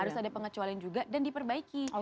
harus ada pengecualian juga dan diperbaiki